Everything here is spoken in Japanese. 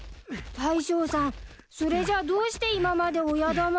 大将さんそれじゃあどうして今まで親玉は。